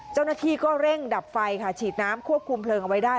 เจ้าหน้าที่ก็เร่งดับไฟค่ะฉีดน้ำควบคุมเพลิงเอาไว้ได้